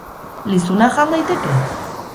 Lizuna, jan daiteke?